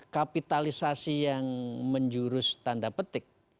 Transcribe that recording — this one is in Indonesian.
kapitalisasi yang menjurus tanda petik